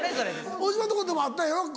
大島のとこでもあったやろ？